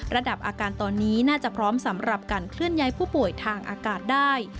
อาการตอนนี้น่าจะพร้อมสำหรับการเคลื่อนย้ายผู้ป่วยทางอากาศได้